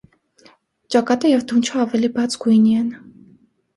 Ճակատը և դունչը ավելի բաց գույնի են։